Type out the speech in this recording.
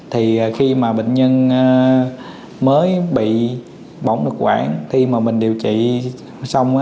thì khi mà bệnh nhân mới bị bỏng được quản khi mà mình điều trị xong